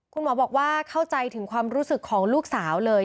คุณหมอบอกว่าเข้าใจถึงความรู้สึกของลูกสาวเลย